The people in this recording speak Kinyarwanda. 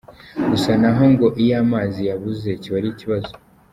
Gusa naho ngo iyo amazi yabuze, kiba ari ikibazo.